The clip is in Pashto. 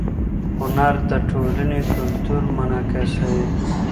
هنر د ټولنې کلتور منعکس کوي.